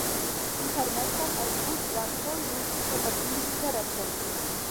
Ĝi permesas al du ludantoj ludi kaj babili interrete.